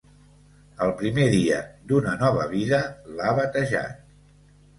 El primer dia d’una nova vida, l’ha batejat.